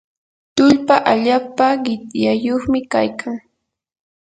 tullpa allapa qityayuqmi kaykan.